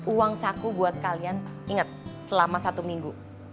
uang saku buat kalian ingat selama satu minggu